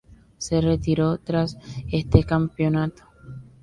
Se retiró tras este campeonato.